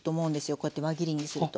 こうやって輪切りにすると。